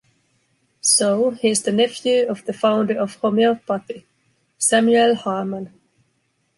So, he’s the nephew of the founder of homeopathy, Samuel Hahnemann.